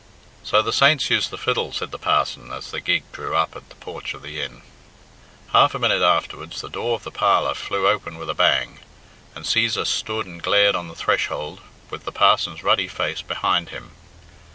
"So the saints use the fiddle," said the parson, as the gig drew up at the porch of the inn. Half a minute afterwards the door of the parlour flew open with a bang, and Cæsar stood and glared on the threshold with the parson's ruddy face behind him.